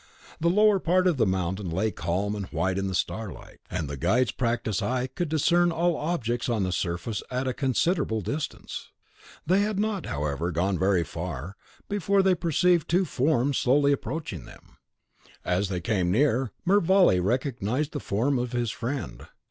The lower part of the mountain lay calm and white in the starlight; and the guide's practised eye could discern all objects on the surface at a considerable distance. They had not, however, gone very far, before they perceived two forms slowly approaching them. As they came near, Mervale recognised the form of his friend.